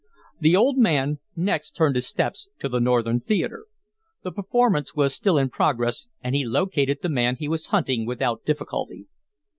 The old man next turned his steps to the Northern Theatre. The performance was still in progress, and he located the man he was hunting without difficulty.